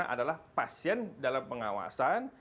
karena adalah pasien dalam pengawasan